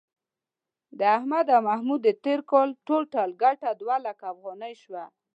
د احمد او محمود د تېر کال ټول ټال گټه دوه لکه افغانۍ شوه.